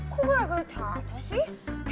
kok gara gara tata sih